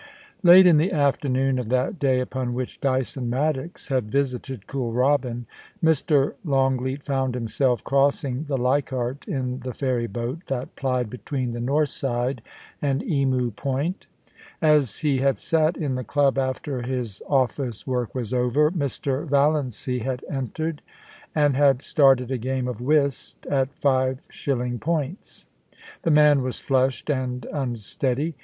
Late in the afternoon of that day upon which Dyson Maddox had visited Kooralbyn, Mr. Longleat found himself crossing the Leichardt in the ferry boat that plied between the north side and Emu Point As he had sat in the club after his office work was over, Mr. Valiancy had entered, and had started a game of whist at five shilling points. The man was flushed and unsteady.